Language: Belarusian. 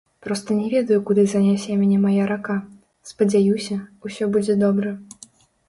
Проста не ведаю куды занясе мяне мая рака, спадзяюся, усё будзе добра.